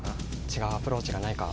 違うアプローチがないか